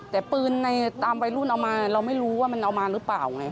แต่ปืนในตามวัยรุ่นเอามาเราไม่รู้ว่ามันเอามาหรือเปล่าไง